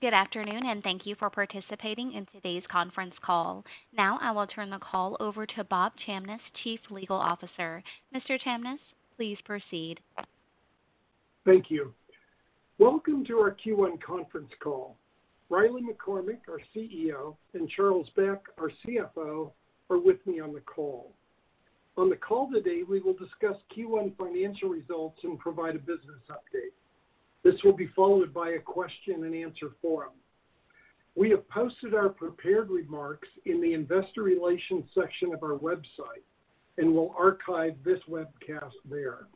Good afternoon, and thank you for participating in today's conference call. Now, I will turn the call over to Bob Chamness, Chief Legal Officer. Mr. Chamness, please proceed. Thank you. Welcome to our Q1 conference call. Riley McCormack, our CEO, and Charles Beck, our CFO, are with me on the call. On the call today, we will discuss Q1 financial results and provide a business update. This will be followed by a question-and-answer forum. We have posted our prepared remarks in the investor relations section of our website, and we'll archive this webcast there.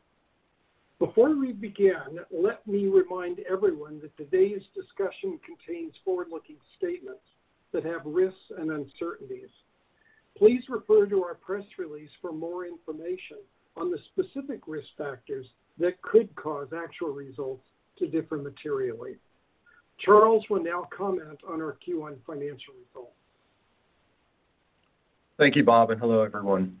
Before we begin, let me remind everyone that today's discussion contains forward-looking statements that have risks and uncertainties. Please refer to our press release for more information on the specific risk factors that could cause actual results to differ materially. Charles will now comment on our Q1 financial results. Thank you, Bob, and hello, everyone.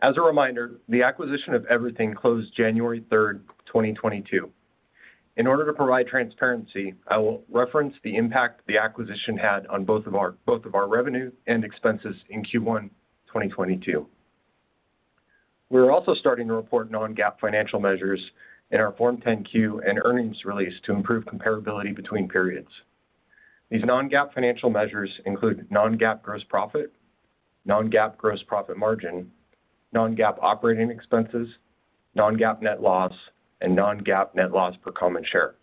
As a reminder, the acquisition of EVRYTHNG closed January 3, 2022. In order to provide transparency, I will reference the impact the acquisition had on both of our revenue and expenses in Q1 2022. We're also starting to report non-GAAP financial measures in our Form 10-Q and earnings release to improve comparability between periods. These non-GAAP financial measures include non-GAAP gross profit, non-GAAP gross profit margin, non-GAAP operating expenses, non-GAAP net loss, and non-GAAP net loss per common share.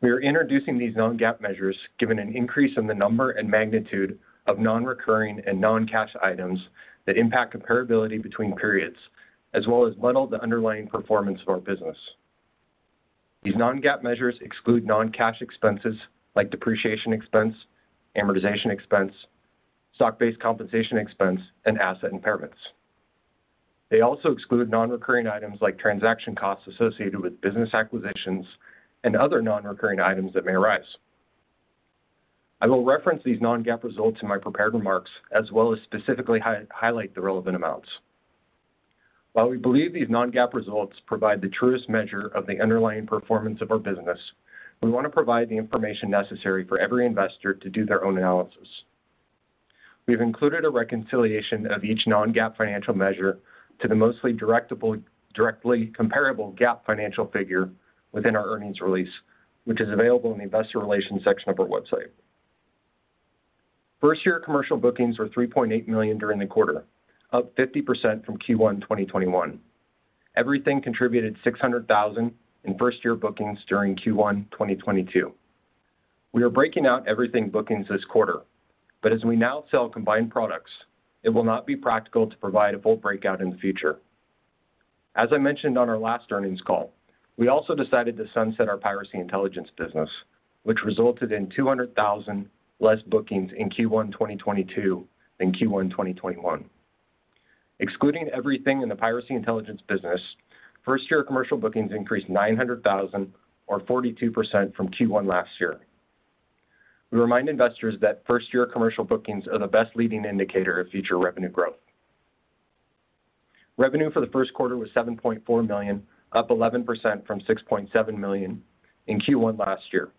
We are introducing these non-GAAP measures given an increase in the number and magnitude of non-recurring and non-cash items that impact comparability between periods as well as muddle the underlying performance of our business. These non-GAAP measures exclude non-cash expenses like depreciation expense, amortization expense, stock-based compensation expense, and asset impairments. They also exclude non-recurring items like transaction costs associated with business acquisitions and other non-recurring items that may arise. I will reference these non-GAAP results in my prepared remarks as well as specifically highlight the relevant amounts. While we believe these non-GAAP results provide the truest measure of the underlying performance of our business, we want to provide the information necessary for every investor to do their own analysis. We have included a reconciliation of each non-GAAP financial measure to the directly comparable GAAP financial figure within our earnings release, which is available in the investor relations section of our website. First-year commercial bookings were $3.8 million during the quarter, up 50% from Q1 2021. EVRYTHNG contributed $600,000 in first-year bookings during Q1 2022. We are breaking out EVRYTHNG bookings this quarter, but as we now sell combined products, it will not be practical to provide a full breakout in the future. As I mentioned on our last earnings call, we also decided to sunset our Piracy Intelligence business, which resulted in 200,000 less bookings in Q1 2022 than Q1 2021. Excluding EVRYTHNG and the Piracy Intelligence business, first year commercial bookings increased 900,000 or 42% from Q1 last year. We remind investors that first-year commercial bookings are the best leading indicator of future revenue growth. Revenue for the first quarter was $7.4 million, up 11% from $6.7 million in Q1 last year.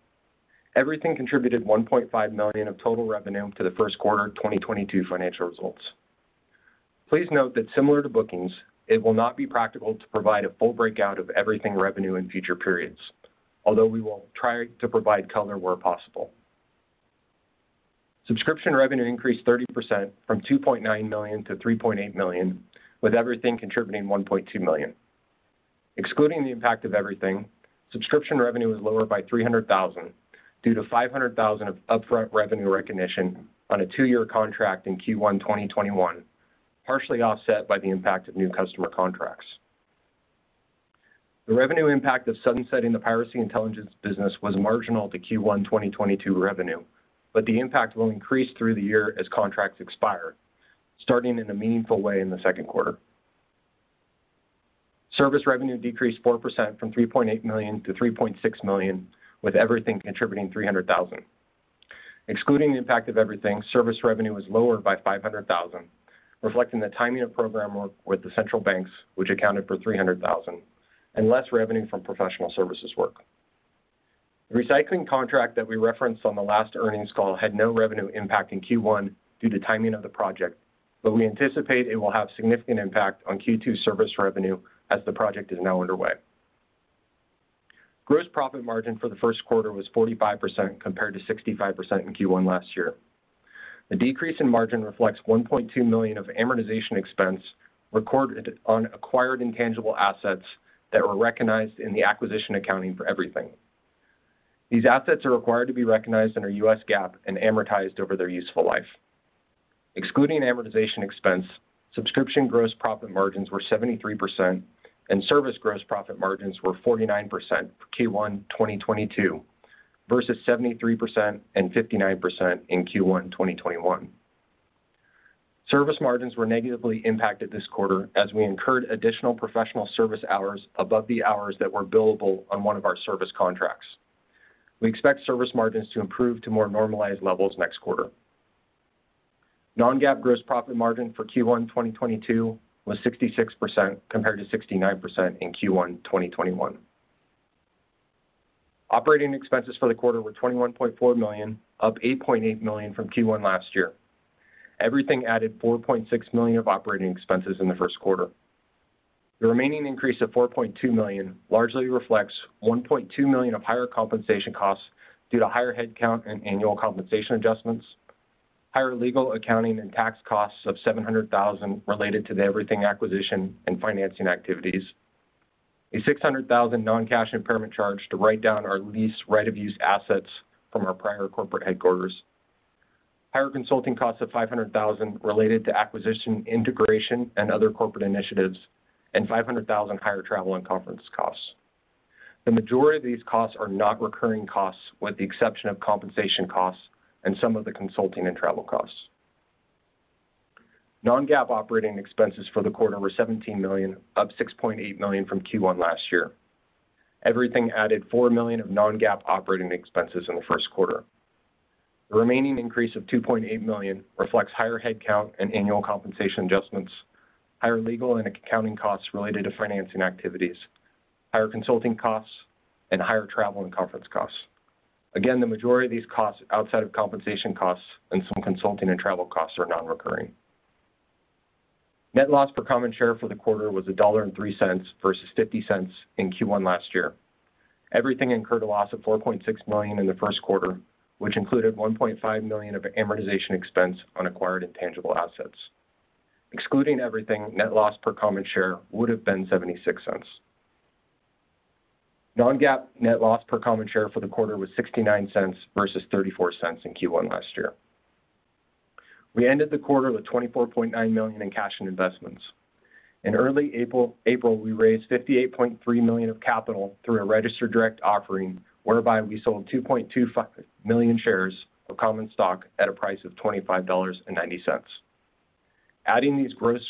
EVRYTHNG contributed $1.5 million of total revenue to the first quarter of 2022 financial results. Please note that similar to bookings, it will not be practical to provide a full breakout of EVRYTHNG revenue in future periods, although we will try to provide color where possible. Subscription revenue increased 30% from $2.9 million-$3.8 million, with EVRYTHNG contributing $1.2 million. Excluding the impact of EVRYTHNG, subscription revenue was lower by $300,000 due to $500,000 of upfront revenue recognition on a two-year contract in Q1 2021, partially offset by the impact of new customer contracts. The revenue impact of sunsetting the Piracy Intelligence business was marginal to Q1 2022 revenue, but the impact will increase through the year as contracts expire, starting in a meaningful way in the second quarter. Service revenue decreased 4% from $3.8 million-$3.6 million, with EVRYTHNG contributing $300,000. Excluding the impact of EVRYTHNG, service revenue was lowered by $500,000, reflecting the timing of program work with the central banks, which accounted for $300,000 and less revenue from professional services work. The recycling contract that we referenced on the last earnings call had no revenue impact in Q1 due to timing of the project, but we anticipate it will have significant impact on Q2 service revenue as the project is now underway. Gross profit margin for the first quarter was 45% compared to 65% in Q1 last year. The decrease in margin reflects $1.2 million of amortization expense recorded on acquired intangible assets that were recognized in the acquisition accounting for EVRYTHNG. These assets are required to be recognized under U.S. GAAP and amortized over their useful life. Excluding amortization expense, subscription gross profit margins were 73% and service gross profit margins were 49% for Q1 2022 versus 73% and 59% in Q1 2021. Service margins were negatively impacted this quarter as we incurred additional professional service hours above the hours that were billable on one of our service contracts. We expect service margins to improve to more normalized levels next quarter. non-GAAP gross profit margin for Q1 2022 was 66% compared to 69% in Q1 2021. Operating expenses for the quarter were $21.4 million, up $8.8 million from Q1 last year. EVRYTHNG added $4.6 million of operating expenses in the first quarter. The remaining increase of $4.2 million largely reflects $1.2 million of higher compensation costs due to higher headcount and annual compensation adjustments, higher legal, accounting, and tax costs of $700,000 related to the EVRYTHNG acquisition and financing activities. A $600,000 non-cash impairment charge to write down our lease right-of-use assets from our prior corporate headquarters. Higher consulting costs of $500,000 Related to acquisition, integration, and other corporate initiatives, and $500,000 higher travel and conference costs. The majority of these costs are not recurring costs, with the exception of compensation costs and some of the consulting and travel costs. Non-GAAP operating expenses for the quarter were $17 million, up $6.8 million from Q1 last year. EVRYTHNG added $4 million of non-GAAP operating expenses in the first quarter. The remaining increase of $2.8 million reflects higher headcount and annual compensation adjustments, higher legal and accounting costs related to financing activities, higher consulting costs, and higher travel and conference costs. Again, the majority of these costs outside of compensation costs and some consulting and travel costs are non-recurring. Net loss per common share for the quarter was $1.03 versus $0.50 in Q1 last year. EVRYTHNG incurred a loss of $4.6 million in the first quarter, which included $1.5 million of amortization expense on acquired intangible assets. Excluding EVRYTHNG, net loss per common share would have been $0.76. Non-GAAP net loss per common share for the quarter was $0.69 versus $0.34 in Q1 last year. We ended the quarter with $24.9 million in cash and investments. In early April, we raised $58.3 million of capital through a registered direct offering, whereby we sold 2.25 million shares of common stock at a price of $25.90. Adding these gross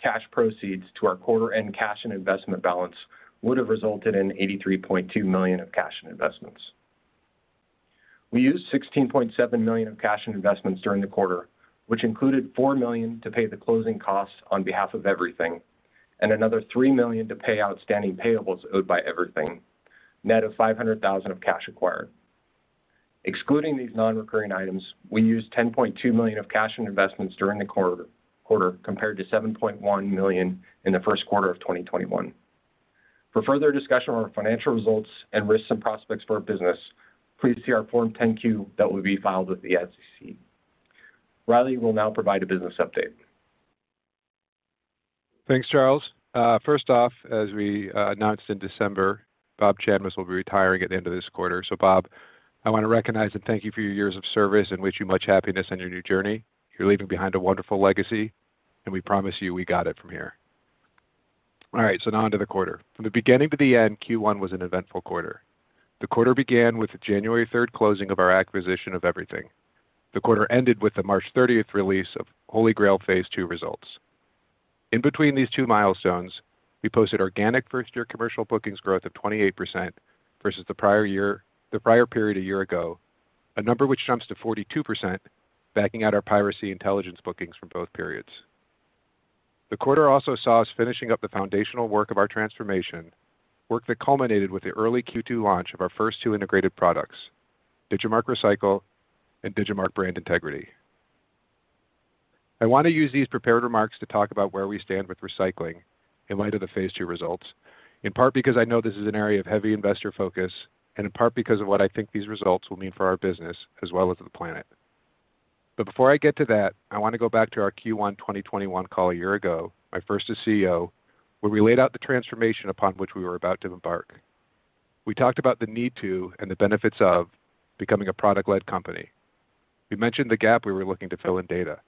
cash proceeds to our quarter end cash and investment balance would have resulted in $83.2 million of cash and investments. We used $16.7 million of cash and investments during the quarter, which included $4 million to pay the closing costs on behalf of EVRYTHNG, and another $3 million to pay outstanding payables owed by EVRYTHNG, net of $500,000 of cash acquired. Excluding these non-recurring items, we used $10.2 million of cash and investments during the quarter, compared to $7.1 million in the first quarter of 2021. For further discussion on our financial results and risks and prospects for our business, please see our Form 10-Q that will be filed with the SEC. Riley will now provide a business update. Thanks, Charles. First off, as we announced in December, Bob Chamness will be retiring at the end of this quarter. Bob, I wanna recognize and thank you for your years of service and wish you much happiness on your new journey. You're leaving behind a wonderful legacy, and we promise you we got it from here. All right, now onto the quarter. From the beginning to the end, Q1 was an eventful quarter. The quarter began with the January 3 closing of our acquisition of EVRYTHNG. The quarter ended with the March 30 release of HolyGrail 2.0 phase II results. In between these two milestones, we posted organic first year commercial bookings growth of 28% versus the prior period a year ago, a number which jumps to 42%, backing out our Piracy Intelligence bookings from both periods. The quarter also saw us finishing up the foundational work of our transformation, work that culminated with the early Q2 launch of our first two integrated products, Digimarc Recycle and Digimarc Brand Integrity. I wanna use these prepared remarks to talk about where we stand with recycling in light of the phase two results, in part because I know this is an area of heavy investor focus, and in part because of what I think these results will mean for our business as well as the planet. Before I get to that, I wanna go back to our Q1 2021 call a year ago, my first as CEO, where we laid out the transformation upon which we were about to embark. We talked about the need to, and the benefits of becoming a product-led company. We mentioned the gap we were looking to fill in data.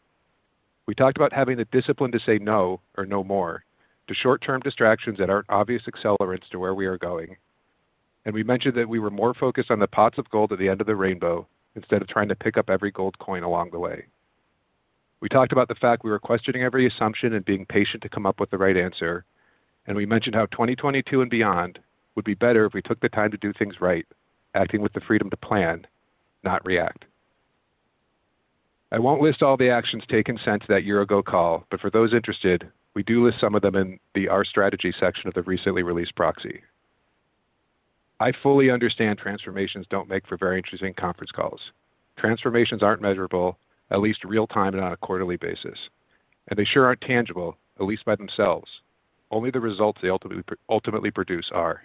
We talked about having the discipline to say no or no more to short-term distractions that aren't obvious accelerants to where we are going. We mentioned that we were more focused on the pots of gold at the end of the rainbow instead of trying to pick up every gold coin along the way. We talked about the fact we were questioning every assumption and being patient to come up with the right answer, and we mentioned how 2022 and beyond would be better if we took the time to do things right, acting with the freedom to plan, not react. I won't list all the actions taken since that year ago call, but for those interested, we do list some of them in the Our Strategy section of the recently released proxy. I fully understand transformations don't make for very interesting conference calls. Transformations aren't measurable, at least real-time and on a quarterly basis. They sure aren't tangible, at least by themselves. Only the results they ultimately produce are.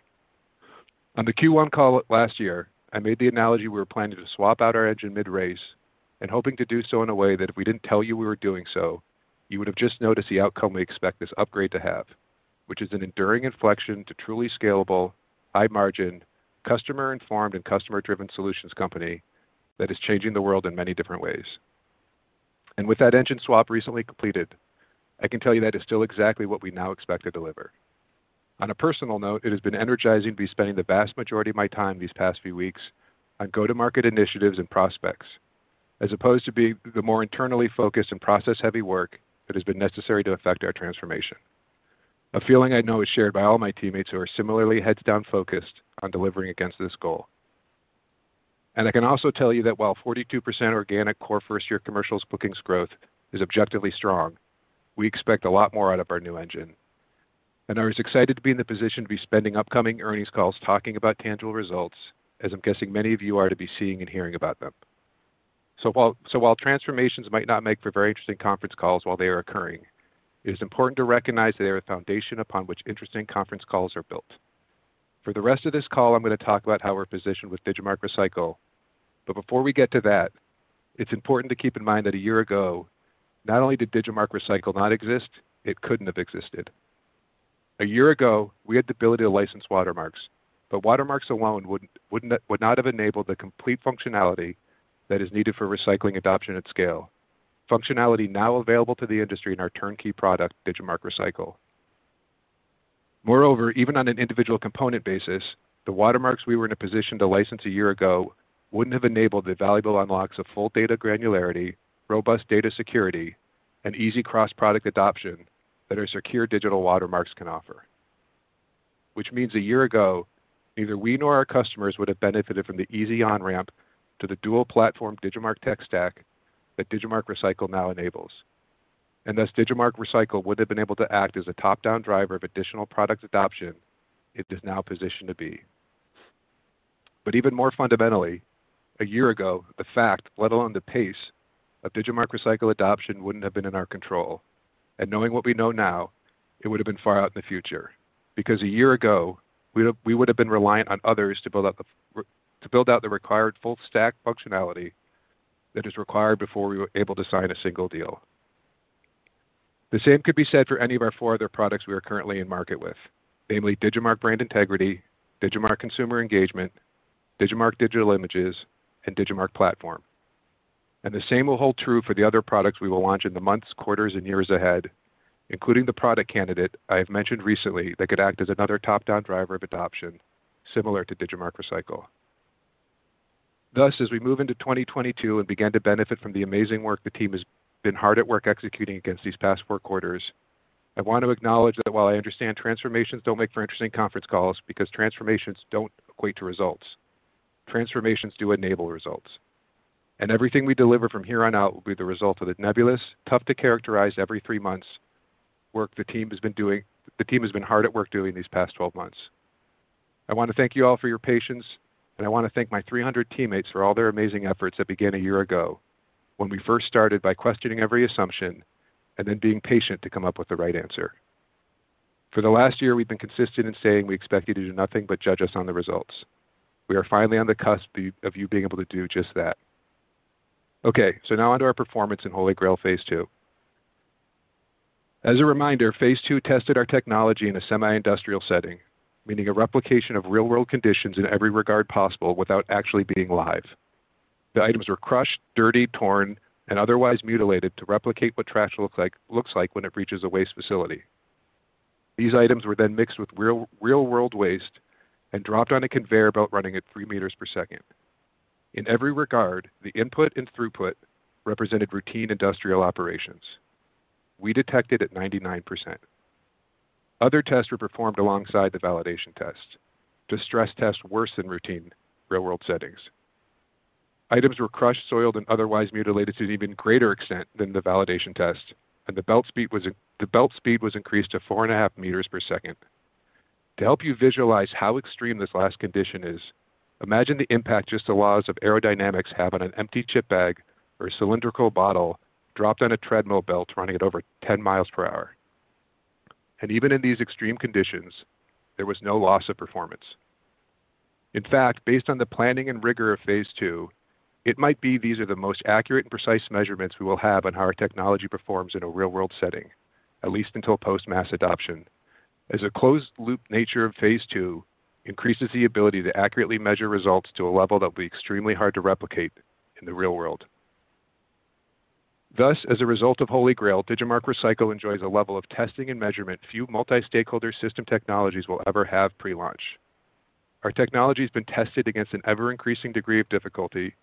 On the Q1 call last year, I made the analogy we were planning to swap out our engine mid-race and hoping to do so in a way that if we didn't tell you we were doing so, you would have just noticed the outcome we expect this upgrade to have, which is an enduring inflection to truly scalable, high margin, customer-informed, and customer-driven solutions company that is changing the world in many different ways. With that engine swap recently completed, I can tell you that is still exactly what we now expect to deliver. On a personal note, it has been energizing to be spending the vast majority of my time these past few weeks on go-to-market initiatives and prospects, as opposed to be the more internally focused and process-heavy work that has been necessary to affect our transformation. A feeling I know is shared by all my teammates who are similarly heads down focused on delivering against this goal. I can also tell you that while 42% organic core first-year commercials bookings growth is objectively strong, we expect a lot more out of our new engine. I was excited to be in the position to be spending upcoming earnings calls talking about tangible results, as I'm guessing many of you are to be seeing and hearing about them. While transformations might not make for very interesting conference calls while they are occurring, it is important to recognize they are a foundation upon which interesting conference calls are built. For the rest of this call, I'm gonna talk about how we're positioned with Digimarc Recycle. Before we get to that, it's important to keep in mind that a year ago, not only did Digimarc Recycle not exist, it couldn't have existed. A year ago, we had the ability to license watermarks, but watermarks alone would not have enabled the complete functionality that is needed for recycling adoption at scale. Functionality now available to the industry in our turnkey product, Digimarc Recycle. Moreover, even on an individual component basis, the watermarks we were in a position to license a year ago wouldn't have enabled the valuable unlocks of full data granularity, robust data security, and easy cross-product adoption that our secure digital watermarks can offer. Which means a year ago, neither we nor our customers would have benefited from the easy on-ramp to the dual platform Digimarc tech stack that Digimarc Recycle now enables. Thus, Digimarc Recycle would have been able to act as a top-down driver of additional product adoption it is now positioned to be. Even more fundamentally, a year ago, the fact, let alone the pace, of Digimarc Recycle adoption wouldn't have been in our control. Knowing what we know now, it would have been far out in the future. Because a year ago, we would have been reliant on others to build out the required full stack functionality that is required before we were able to sign a single deal. The same could be said for any of our four other products we are currently in market with, namely Digimarc Brand Integrity, Digimarc Consumer Engagement, Digimarc Digital Images, and Digimarc Platform. The same will hold true for the other products we will launch in the months, quarters, and years ahead, including the product candidate I have mentioned recently that could act as another top-down driver of adoption similar to Digimarc Recycle. Thus, as we move into 2022 and begin to benefit from the amazing work the team has been hard at work executing against these past four quarters, I want to acknowledge that while I understand transformations don't make for interesting conference calls because transformations don't equate to results, transformations do enable results. Everything we deliver from here on out will be the result of the nebulous, tough to characterize every three months work the team has been hard at work doing these past 12 months. I wanna thank you all for your patience, and I wanna thank my 300 teammates for all their amazing efforts that began a year ago when we first started by questioning every assumption and then being patient to come up with the right answer. For the last year, we've been consistent in saying we expect you to do nothing but judge us on the results. We are finally on the cusp of you being able to do just that. Okay, now on to our performance in HolyGrail 2.0 Phase Two. As a reminder, phase II tested our technology in a semi-industrial setting, meaning a replication of real-world conditions in every regard possible without actually being live. The items were crushed, dirty, torn, and otherwise mutilated to replicate what trash looks like when it reaches a waste facility. These items were then mixed with real-world waste and dropped on a conveyor belt running at 3 meters per second. In every regard, the input and throughput represented routine industrial operations. We detected at 99%. Other tests were performed alongside the validation test. Distress tests worse than routine real-world settings. Items were crushed, soiled, and otherwise mutilated to an even greater extent than the validation test, and the belt speed was increased to 4.5 meters per second. To help you visualize how extreme this last condition is, imagine the impact just the laws of aerodynamics have on an empty chip bag or a cylindrical bottle dropped on a treadmill belt running at over 10 mi per hour. Even in these extreme conditions, there was no loss of performance. In fact, based on the planning and rigor of phase II, it might be these are the most accurate and precise measurements we will have on how our technology performs in a real-world setting, at least until post-mass adoption. As the closed-loop nature of phase II increases the ability to accurately measure results to a level that will be extremely hard to replicate in the real world. Thus, as a result of HolyGrail 2.0, Digimarc Recycle enjoys a level of testing and measurement few multi-stakeholder system technologies will ever have pre-launch. Our technology has been tested against an ever-increasing degree of difficulty,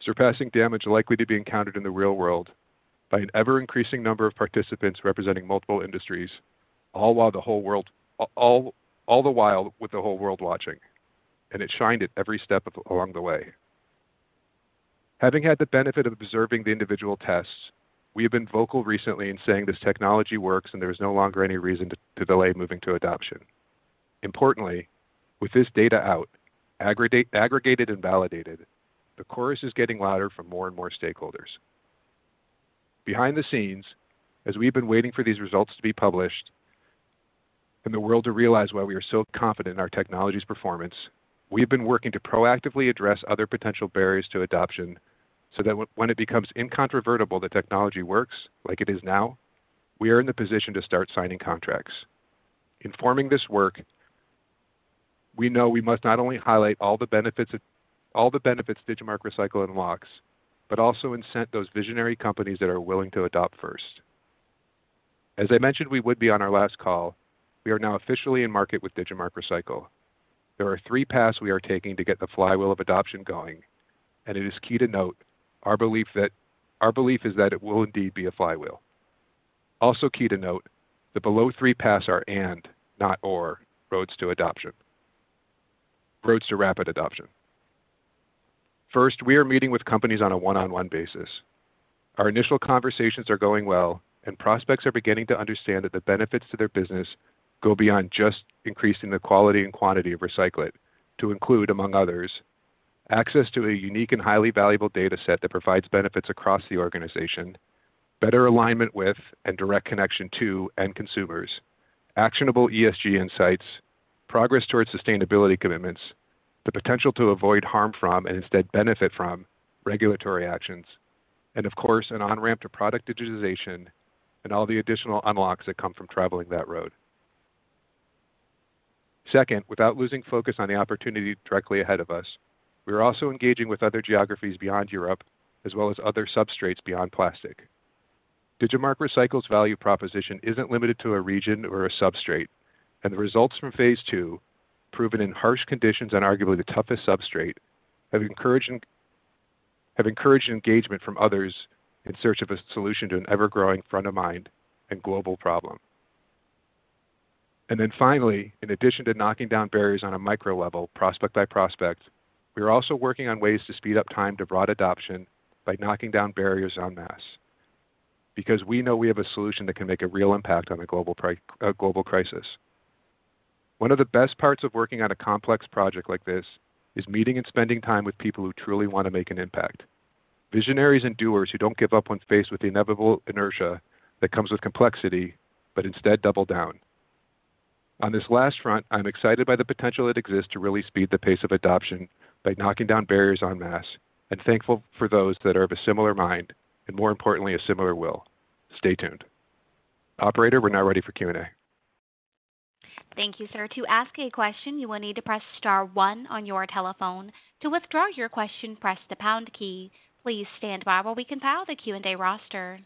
surpassing damage likely to be encountered in the real world by an ever-increasing number of participants representing multiple industries, all the while with the whole world watching. It shined at every step along the way. Having had the benefit of observing the individual tests, we have been vocal recently in saying this technology works and there is no longer any reason to delay moving to adoption. Importantly, with this data out, aggregated and validated, the chorus is getting louder from more and more stakeholders. Behind the scenes, as we've been waiting for these results to be published and the world to realize why we are so confident in our technology's performance, we have been working to proactively address other potential barriers to adoption so that when it becomes incontrovertible the technology works like it is now, we are in the position to start signing contracts. In forming this work, we know we must not only highlight all the benefits Digimarc Recycle unlocks, but also incent those visionary companies that are willing to adopt first. As I mentioned, we would be on our last call, we are now officially in market with Digimarc Recycle. There are three paths we are taking to get the flywheel of adoption going, and it is key to note our belief is that it will indeed be a flywheel. Also key to note, the below three paths are and not or roads to adoption. Roads to rapid adoption. First, we are meeting with companies on a one-on-one basis. Our initial conversations are going well, and prospects are beginning to understand that the benefits to their business go beyond just increasing the quality and quantity of recyclate to include, among others, access to a unique and highly valuable data set that provides benefits across the organization, better alignment with and direct connection to end consumers, actionable ESG insights, progress towards sustainability commitments, the potential to avoid harm from and instead benefit from regulatory actions, and of course, an on-ramp to product digitization and all the additional unlocks that come from traveling that road. Second, without losing focus on the opportunity directly ahead of us, we are also engaging with other geographies beyond Europe as well as other substrates beyond plastic. Digimarc Recycle's value proposition isn't limited to a region or a substrate, and the results from phase two, proven in harsh conditions on arguably the toughest substrate, have encouraged engagement from others in search of a solution to an ever-growing front-of-mind and global problem. Finally, in addition to knocking down barriers on a micro level, prospect by prospect, we are also working on ways to speed up time to broad adoption by knocking down barriers en masse because we know we have a solution that can make a real impact on a global crisis. One of the best parts of working on a complex project like this is meeting and spending time with people who truly want to make an impact. Visionaries and doers who don't give up when faced with the inevitable inertia that comes with complexity, but instead double down. On this last front, I'm excited by the potential that exists to really speed the pace of adoption by knocking down barriers en masse and thankful for those that are of a similar mind and more importantly, a similar will. Stay tuned. Operator, we're now ready for Q&A. Thank you, sir. To ask a question, you will need to press star one on your telephone. To withdraw your question, press the pound key. Please stand by while we compile the Q&A roster.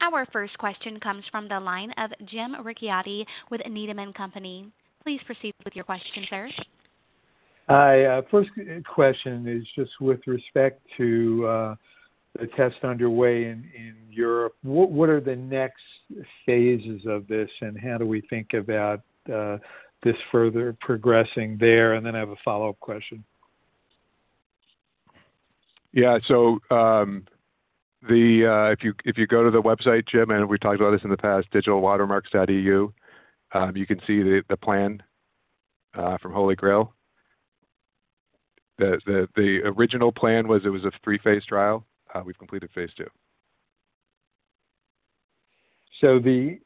Our first question comes from the line of Jim Ricchiuti with Needham & Company. Please proceed with your question, sir. Hi. First question is just with respect to the test underway in Europe. What are the next phases of this, and how do we think about this further progressing there? I have a follow-up question. If you go to the website, Jim, and we've talked about this in the past, digitalwatermarks.eu, you can see the plan from HolyGrail 2.0. The original plan was a three-phase trial. We've completed phase II. The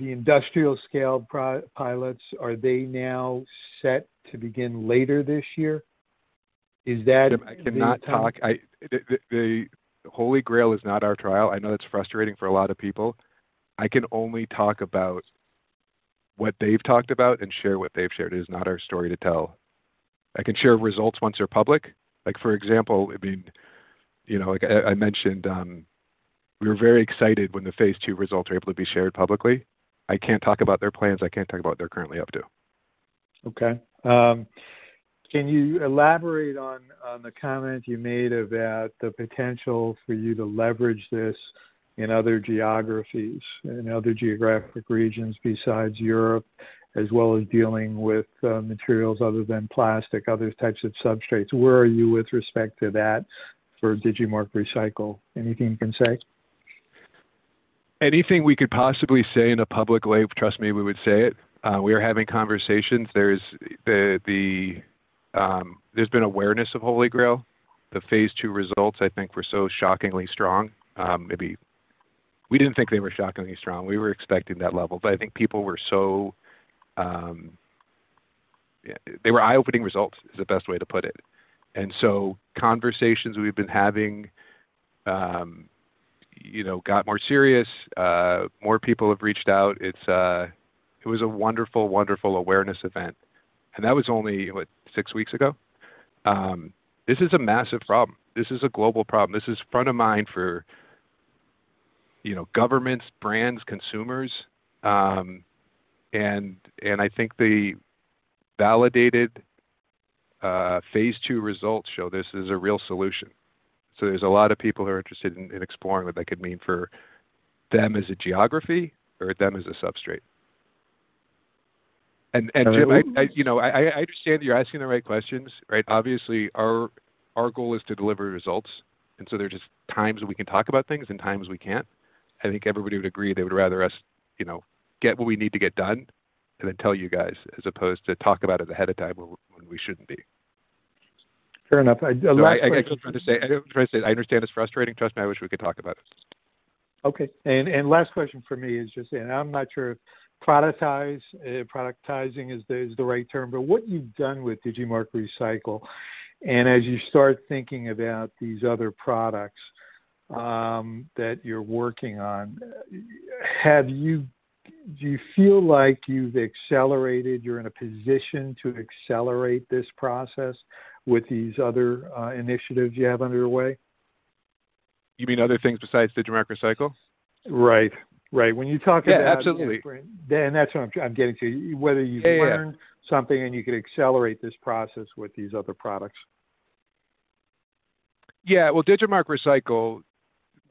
industrial scale pilots, are they now set to begin later this year? Is that the- Jim, I cannot talk. The HolyGrail 2.0 is not our trial. I know that's frustrating for a lot of people. I can only talk about what they've talked about and share what they've shared. It is not our story to tell. I can share results once they're public. Like, for example, I mean, you know, like I mentioned, we were very excited when the phase two results were able to be shared publicly. I can't talk about their plans. I can't talk about what they're currently up to. Okay. Can you elaborate on the comment you made about the potential for you to leverage this in other geographies, in other geographic regions besides Europe, as well as dealing with materials other than plastic, other types of substrates? Where are you with respect to that for Digimarc Recycle? Anything you can say? Anything we could possibly say in a public way, trust me, we would say it. We are having conversations. There's been awareness of HolyGrail 2.0. The phase two results, I think, were so shockingly strong. We didn't think they were shockingly strong. We were expecting that level, but I think people were so. They were eye-opening results, is the best way to put it. Conversations we've been having, you know, got more serious. More people have reached out. It was a wonderful awareness event, and that was only, what, six weeks ago. This is a massive problem. This is a global problem. This is front of mind for, you know, governments, brands, consumers. I think the validated phase two results show this is a real solution. There's a lot of people who are interested in exploring what that could mean for them as a geography or them as a substrate. I Jim, you know, I understand that you're asking the right questions, right? Obviously, our goal is to deliver results, and so there are just times when we can talk about things and times we can't. I think everybody would agree they would rather us, you know, get what we need to get done and then tell you guys, as opposed to talk about it ahead of time when we shouldn't be. Fair enough. The last question. I just wanted to say I understand it's frustrating. Trust me, I wish we could talk about it. Okay. Last question from me is just, I'm not sure if productize, productizing is the right term, but what you've done with Digimarc Recycle, and as you start thinking about these other products that you're working on, do you feel like you've accelerated, you're in a position to accelerate this process with these other initiatives you have underway? You mean other things besides Digimarc Recycle? Right. When you talk about. Yeah, absolutely. That's what I'm getting to. Whether you've learned something and you can accelerate this process with these other products. Yeah. Well, Digimarc Recycle,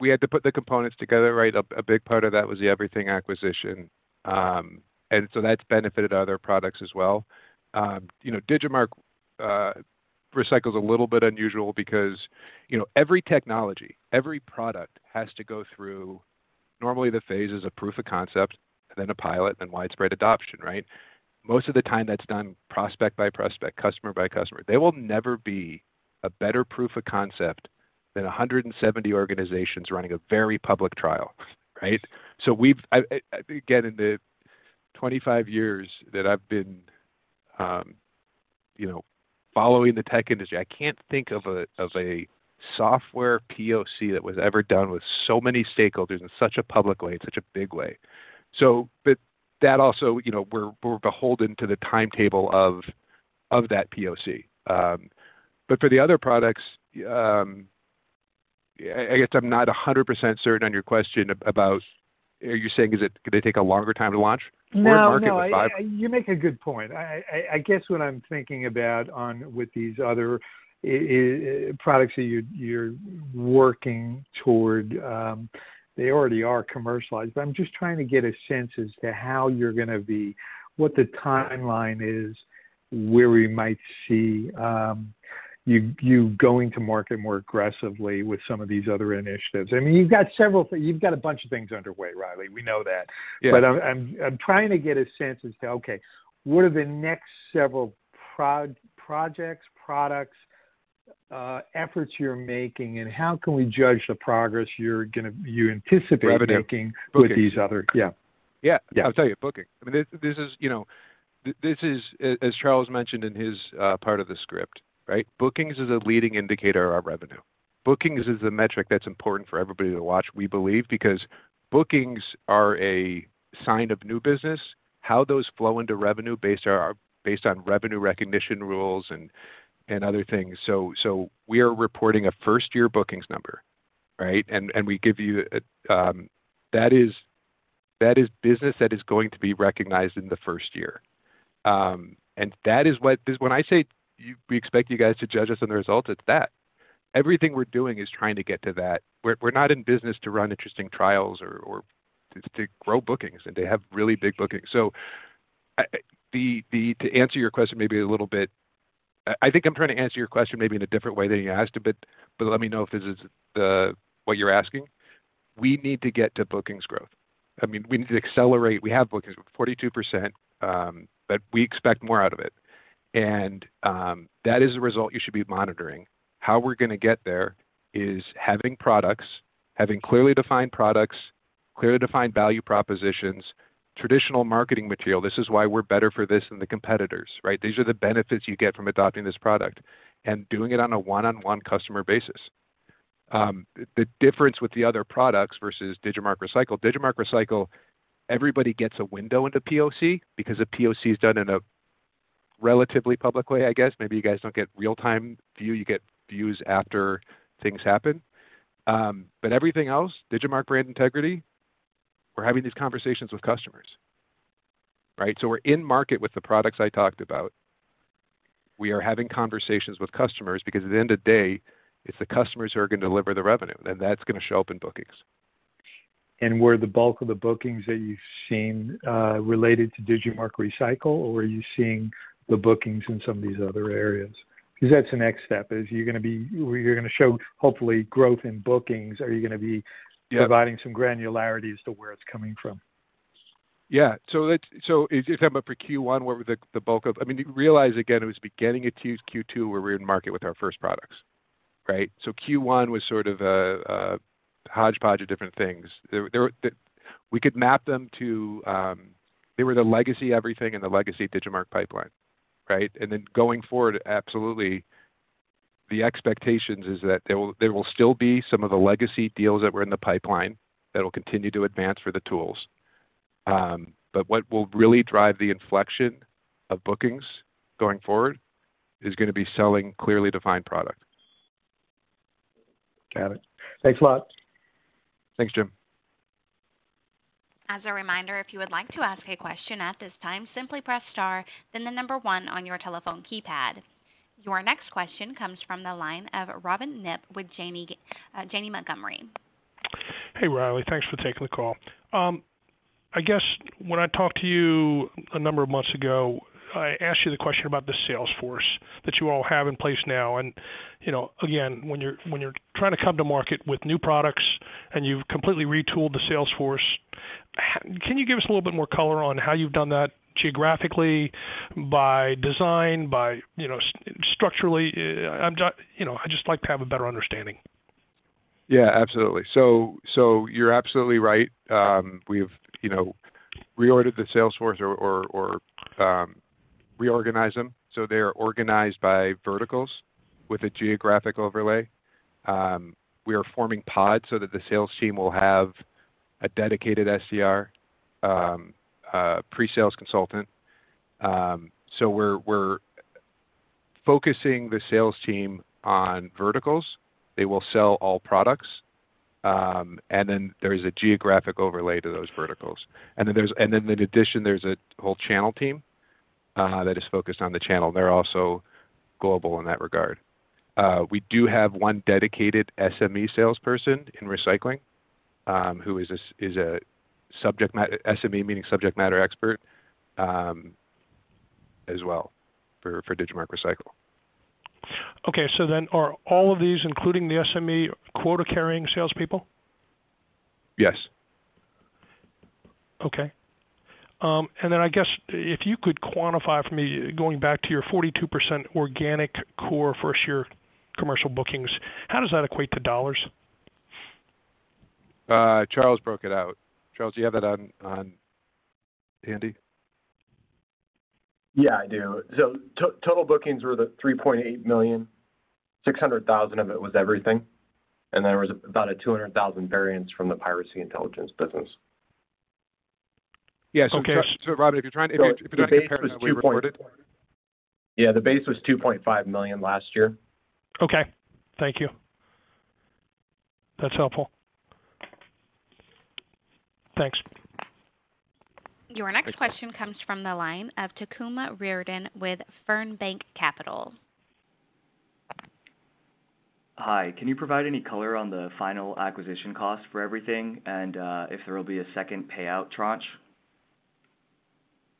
we had to put the components together, right? A big part of that was the EVRYTHNG acquisition. That's benefited other products as well. You know, Digimarc Recycle is a little bit unusual because, you know, every technology, every product has to go through normally the phases of proof of concept, and then a pilot, then widespread adoption, right? Most of the time that's done prospect by prospect, customer by customer. There will never be a better proof of concept than 170 organizations running a very public trial, right? I again, in the 25 years that I've been, you know, following the tech industry, I can't think of a software POC that was ever done with so many stakeholders in such a public way, in such a big way. That also, you know, we're beholden to the timetable of that POC. But for the other products, I guess I'm not 100% certain on your question about, are you saying is it could they take a longer time to launch? No, no. Market with five. You make a good point. I guess what I'm thinking about with these other products that you're working toward. They already are commercialized, but I'm just trying to get a sense as to how you're gonna, what the timeline is, where we might see you going to market more aggressively with some of these other initiatives. I mean, you've got several things. You've got a bunch of things underway, Riley. We know that. Yeah. I'm trying to get a sense as to, okay, what are the next several projects, products, efforts you're making, and how can we judge the progress you anticipate making? Revenue. Bookings with these other Yeah. Yeah. Yeah. I'll tell you, bookings. I mean, this is, you know this is as Charles mentioned in his part of the script, right? Bookings is a leading indicator of our revenue. Bookings is a metric that's important for everybody to watch, we believe, because bookings are a sign of new business, how those flow into revenue based on revenue recognition rules and other things. We are reporting a first-year bookings number, right? We give you a that is business that is going to be recognized in the first year. That is what 'cause when I say we expect you guys to judge us on the results, it's that. EVRYTHNG we're doing is trying to get to that. We're not in business to run interesting trials or just to grow bookings and to have really big bookings. To answer your question maybe a little bit, I think I'm trying to answer your question maybe in a different way than you asked it, but let me know if this is what you're asking. We need to get to bookings growth. I mean, we need to accelerate. We have bookings growth, 42%, but we expect more out of it. That is a result you should be monitoring. How we're gonna get there is having products, having clearly defined products, clearly defined value propositions, traditional marketing material. This is why we're better for this than the competitors, right? These are the benefits you get from adopting this product and doing it on a one-on-one customer basis. The difference with the other products versus Digimarc Recycle. Digimarc Recycle, everybody gets a window into POC because a POC is done in a relatively public way, I guess. Maybe you guys don't get real-time view. You get views after things happen. Everything else, Digimarc Brand Integrity, we're having these conversations with customers, right? We're in market with the products I talked about. We are having conversations with customers because at the end of the day, it's the customers who are gonna deliver the revenue, and that's gonna show up in bookings. Were the bulk of the bookings that you've seen related to Digimarc Recycle, or are you seeing the bookings in some of these other areas? 'Cause that's the next step, is you're gonna show hopefully growth in bookings. Are you gonna be- Yeah. Providing some granularity as to where it's coming from? Yeah. If I'm up for Q1, what were the bulk of? I mean, you realize again, it was beginning of Q2 where we're in market with our first products, right? Q1 was sort of a hodgepodge of different things. We could map them to they were the legacy EVRYTHNG and the legacy Digimarc pipeline, right? Then going forward, absolutely, the expectations is that there will still be some of the legacy deals that were in the pipeline that will continue to advance for the tools. What will really drive the inflection of bookings going forward is gonna be selling clearly defined product. Got it. Thanks a lot. Thanks, Jim. As a reminder, if you would like to ask a question at this time, simply press star then the number one on your telephone keypad. Your next question comes from the line of Pat Walravens with JMP Securities. Hey, Riley. Thanks for taking the call. I guess when I talked to you a number of months ago, I asked you the question about the sales force that you all have in place now. You know, again, when you're trying to come to market with new products and you've completely retooled the sales force, how can you give us a little bit more color on how you've done that geographically by design, by, you know, structurally? You know, I'd just like to have a better understanding. Yeah, absolutely. You're absolutely right. We've, you know, reorganized them, so they are organized by verticals with a geographic overlay. We are forming pods so that the sales team will have a dedicated SDR, a pre-sales consultant. So we're focusing the sales team on verticals. They will sell all products, and then there is a geographic overlay to those verticals. In addition, there's a whole channel team that is focused on the channel. They're also global in that regard. We do have one dedicated SME salesperson in recycling, who is a SME, meaning subject matter expert, as well for Digimarc Recycle. Okay. Are all of these, including the SME, quota-carrying salespeople? Yes. Okay. I guess if you could quantify for me, going back to your 42% organic core first year commercial bookings, how does that equate to dollars? Charles broke it out. Charles, do you have that on handy? Yeah, I do. Total bookings were $3.8 million, $600,000 of it was EVRYTHNG, and there was about a $200,000 variance from the Piracy Intelligence business. Yes. Charles Beck, if you're trying to. Yeah, the base was $2.5 million last year. Okay. Thank you. That's helpful. Thanks. Your next question comes from the line of Tokunbo Riordan with Fernbrook Capital. Hi. Can you provide any color on the final acquisition cost for EVRYTHNG and, if there will be a second payout tranche?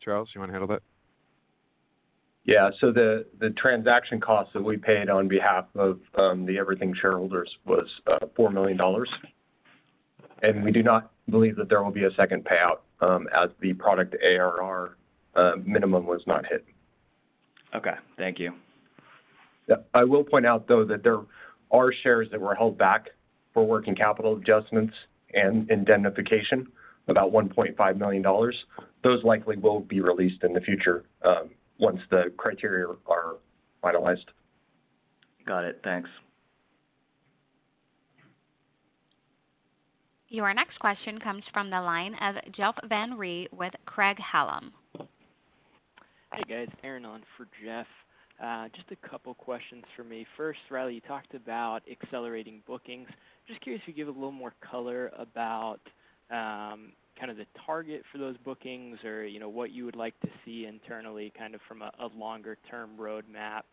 Charles, you wanna handle that? The transaction cost that we paid on behalf of the EVRYTHNG shareholders was $4 million. We do not believe that there will be a second payout as the product ARR minimum was not hit. Okay, thank you. Yeah. I will point out, though, that there are shares that were held back for working capital adjustments and indemnification, about $1.5 million. Those likely will be released in the future, once the criteria are finalized. Got it. Thanks. Your next question comes from the line of Jeff Van Rhee with Craig-Hallum Capital Group. Hey, guys. Aaron on for Jeff. Just a couple questions for me. First, Riley, you talked about accelerating bookings. Just curious if you could give a little more color about, kind of the target for those bookings or, you know, what you would like to see internally, kind of from a longer-term roadmap,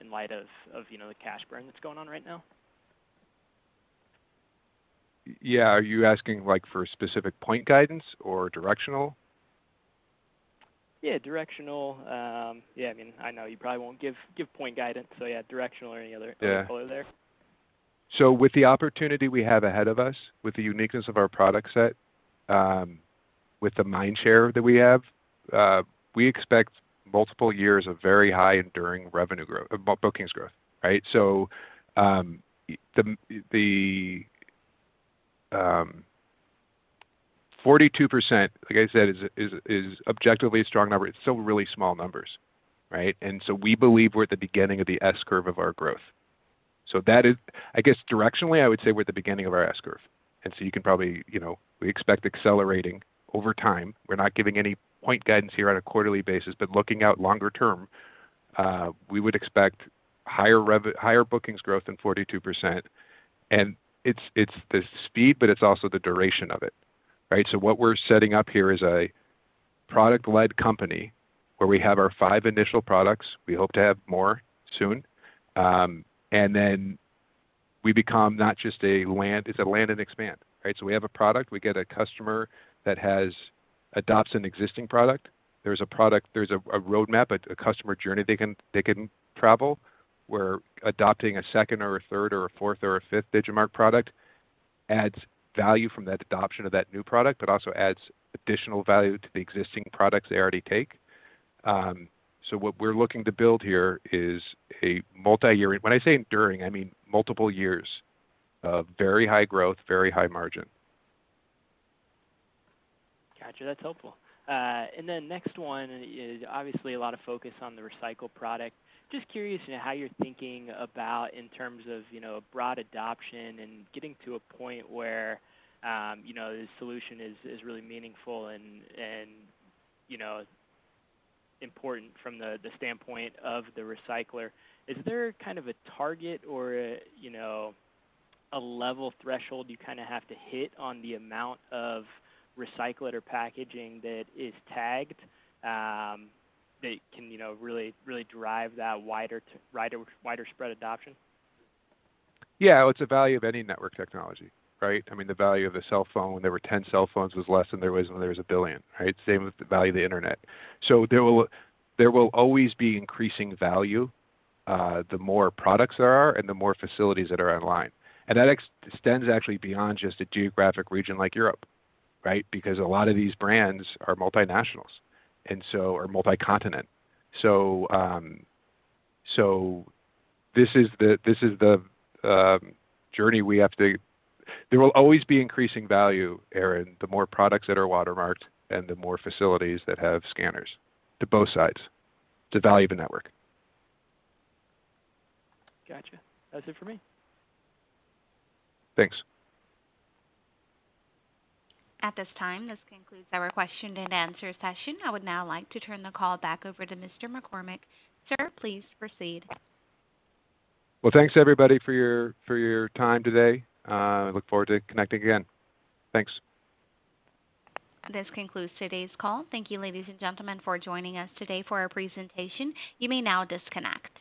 in light of, you know, the cash burn that's going on right now. Yeah. Are you asking, like, for specific point guidance or directional? Yeah, directional. Yeah, I mean, I know you probably won't give point guidance, so yeah, directional or any other color there. Yeah. With the opportunity we have ahead of us, with the uniqueness of our product set, with the mind share that we have, we expect multiple years of very high enduring revenue growth, bookings growth, right? The 42%, like I said, is objectively a strong number. It's still really small numbers, right? We believe we're at the beginning of the S-curve of our growth. That is, I guess directionally, I would say we're at the beginning of our S-curve. You can probably, you know, expect accelerating over time. We're not giving any point guidance here on a quarterly basis, but looking out longer term, we would expect higher bookings growth than 42%. It's the speed, but it's also the duration of it, right? What we're setting up here is a product-led company where we have our five initial products. We hope to have more soon. Then we become not just a land, it's a land and expand, right? We have a product, we get a customer that adopts an existing product. There's a product, there's a roadmap, a customer journey they can travel. We're adopting a second or a third or a fourth or a fifth Digimarc product, adds value from that adoption of that new product, but also adds additional value to the existing products they already take. What we're looking to build here is a multi-year. When I say enduring, I mean multiple years of very high growth, very high margin. Gotcha. That's helpful. Next one is obviously a lot of focus on the Recycle product. Just curious, you know, how you're thinking about in terms of, you know, broad adoption and getting to a point where, you know, the solution is really meaningful and, you know, important from the standpoint of the recycler. Is there kind of a target or a, you know, a level threshold you kind of have to hit on the amount of recycled packaging that is tagged, that can, you know, really drive that wider spread adoption? Yeah. Well, it's the value of any network technology, right? I mean, the value of a cellphone when there were 10 cellphones was less than there was when there was a billion, right? Same with the value of the internet. There will always be increasing value the more products there are and the more facilities that are online. That extends actually beyond just a geographic region like Europe, right? Because a lot of these brands are multinationals and so are multi-continent. This is the journey we have to. There will always be increasing value, Aaron, the more products that are watermarked and the more facilities that have scanners to both sides. It's the value of the network. Gotcha. That's it for me. Thanks. At this time, this concludes our question and answer session. I would now like to turn the call back over to Mr. McCormack. Sir, please proceed. Well, thanks everybody for your time today. I look forward to connecting again. Thanks. This concludes today's call. Thank you, ladies and gentlemen, for joining us today for our presentation. You may now disconnect.